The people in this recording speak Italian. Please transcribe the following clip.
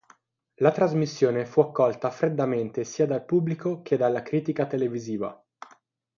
La trasmissione fu accolta freddamente sia dal pubblico che dalla critica televisiva.